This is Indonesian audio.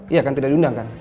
iya kan tidak diundang kan